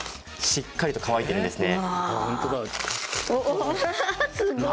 しっかり乾いているんですね。